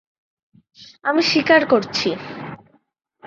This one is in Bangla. আমি স্বীকার করছি!